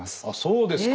そうですか。